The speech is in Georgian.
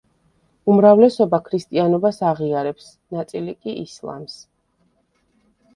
უმრავლესობა ქრისტიანობას აღიარებს, ნაწილი კი ისლამს.